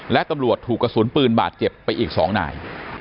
และตำรวจถูกกระสุนปืนบาดเจ็บไปอีก๒นาย